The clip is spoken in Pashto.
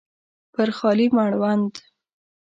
پر خالي مړوند